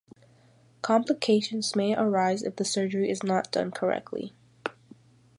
Complications may arise if the surgery is not done correctly.